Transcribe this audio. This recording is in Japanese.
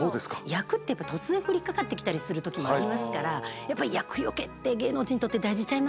厄って突然降りかかってきたりするときもありますからやっぱ厄除けって芸能人にとって大事ちゃいますか？